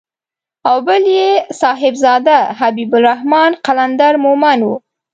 او بل يې صاحبزاده حبيب الرحمن قلندر مومند و.